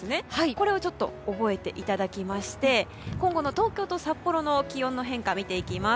これをちょっと覚えていただきまして今後の東京と札幌の気温の変化を見ていきます。